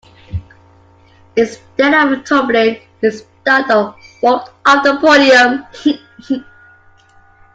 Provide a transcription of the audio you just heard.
Instead of tumbling, he stopped and walked off the podium.